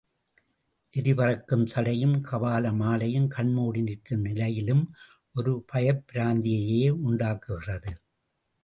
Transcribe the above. எரி பறக்கும் சடையும், கபால மாலையும் கண்மூடி நிற்கும் நிலையிலும் ஒரு பயப்பிராந்தியையே உண்டாக்குகிறது.